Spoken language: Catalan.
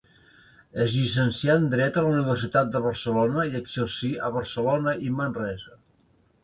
Es llicencià en dret a la Universitat de Barcelona i exercí a Barcelona i Manresa.